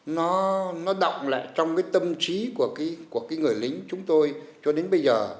nó động lại trong cái tâm trí của cái người lính chúng tôi cho đến bây giờ